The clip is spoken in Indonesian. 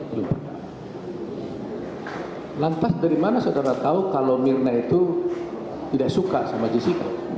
lantas dari mana saudara tahu kalau mirna itu tidak suka sama jessica